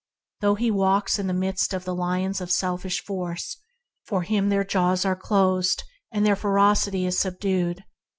Though he walks in the midst of the lions of selfish force, for him their jaws are closed and their ferocity subdued.